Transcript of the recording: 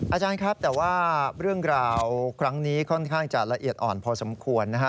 อาจารย์ครับแต่ว่าเรื่องราวครั้งนี้ค่อนข้างจะละเอียดอ่อนพอสมควรนะฮะ